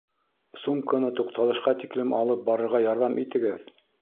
Сумканы туҡталышҡа тиклем алып барырға ярҙам итегеҙ